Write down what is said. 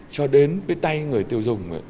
cho đến cái tay người tiêu dùng